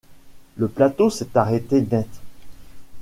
Le plateau s’était arrêté net.